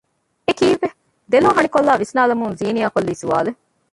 އެކީއްވެ؟ ދެލޯ ހަނިކޮއްލާ ވިސްނާލަމުން ޒީނިޔާ ކޮއްލީ ސުވާލެއް